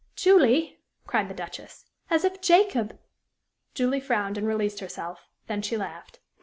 "Julie," cried the Duchess, "as if Jacob " Julie frowned and released herself; then she laughed.